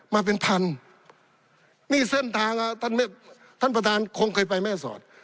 มาเป็นพันนี่เส้นทางอ่ะท่านท่านประธานคงเคยไปแม่สอด